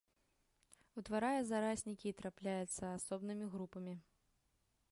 Утварае зараснікі і трапляецца асобнымі групамі.